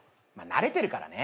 慣れてるからね。